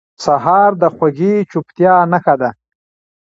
سهار د خوږې چوپتیا نښه ده.